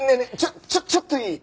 ちょっちょっといい？